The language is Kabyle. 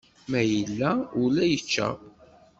Ma yella ula yečča.